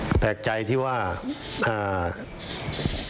แต่ก็ยังแปลกใจแปลกใจมากเลยแหละ